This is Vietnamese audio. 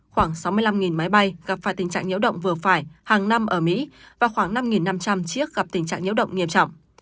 khoảng sáu mươi năm máy bay gặp phải tình trạng nhiễu động vừa phải hàng năm ở mỹ và khoảng năm năm trăm linh chiếc gặp tình trạng nhiễu động nghiêm trọng